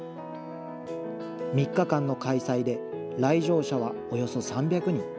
３日間の開催で、来場者はおよそ３００人。